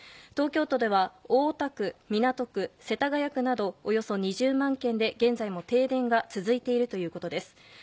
東京都では大田区、港区、世田谷区などおよそ２０万軒で現在も停電が続いているということです。